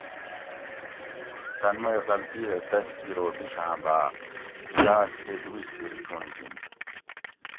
تن مئ غلطی دہ دش زر او بیشاۤں باۤ داۤش تے دُوبِیش زِر چُنڑجِنت